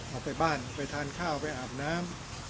เอาไปบ้านไปทานข้าวไปอาบน้ำ